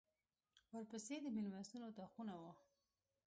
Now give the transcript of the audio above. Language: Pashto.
ورپسې د مېلمستون اطاقونه و.